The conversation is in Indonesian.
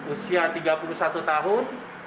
usia tiga puluh satu tahun